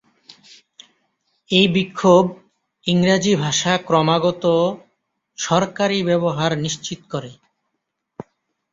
এই বিক্ষোভ ইংরাজি ভাষা ক্রমাগত সরকারী ব্যবহার নিশ্চিত করে।